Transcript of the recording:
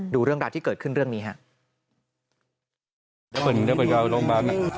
ดูเรื่องราวที่เกิดขึ้นเรื่องนี้ครับ